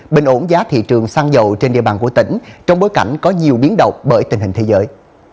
bình ổn giá thị trường xăng dầu trên địa bàn của tỉnh trong bối cảnh có nhiều biến động bởi tình hình thế giới